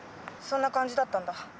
そんな感じだったんだ。